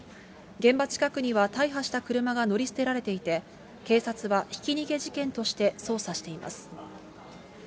現場近くには大破した車が乗り捨てられていて、警察はひき逃げ事件として捜査しています。